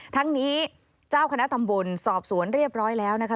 ทั้งนี้เจ้าคณะตำบลสอบสวนเรียบร้อยแล้วนะคะ